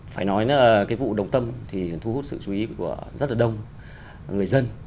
phải nói là cái vụ đồng tâm thì thu hút sự chú ý của rất là đông người dân